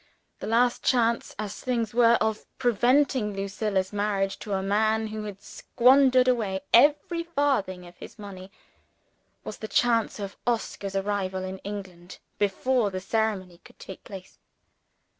The last chance, as things were, of preventing Lucilla's marriage to a man who had squandered away every farthing of his money, was the chance of Oscar's arrival in England before the ceremony could take place.